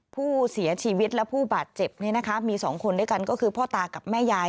ผู้เสียชีวิตและผู้บาดเจ็บมี๒คนด้วยกันก็คือพ่อตากับแม่ยาย